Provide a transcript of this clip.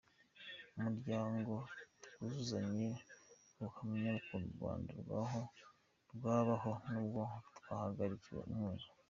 Umuryango Twuzuzanye uhamya ko u Rwanda rwabaho n’ubwo rwahagarikiwe inkunga